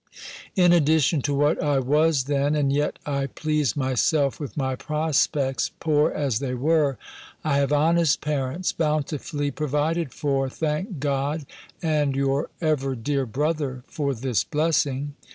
In addition to what I was then (and yet I pleased myself with my prospects, poor as they were), I have honest parents, bountifully provided for, thank God and your ever dear brother for this blessing!